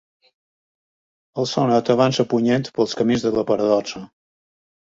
El sonet avança punyent pels camins de la paradoxa.